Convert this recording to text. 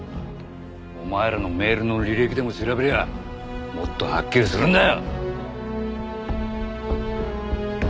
お前らのメールの履歴でも調べりゃもっとはっきりするんだよ！